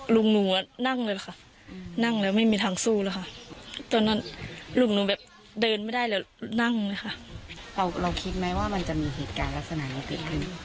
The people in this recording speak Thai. เราคิดไหมว่ามันจะมีเหตุการณ์ลักษณะอยู่ตรงนี้